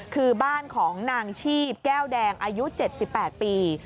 คือบ้านของนางชีพแก้วแดงอายุ๗๘ปี